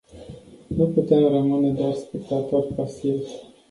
Nu putem rămâne doar spectatori pasivi.